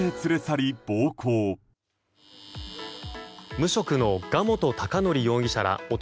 無職の賀本貴則容疑者ら男